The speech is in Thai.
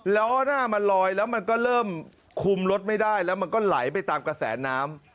แล้วหน้ามันลอยแล้วมันก็เริ่มคุมรถไม่ได้แล้วมันก็ไหลไปตามกระแสน้ำ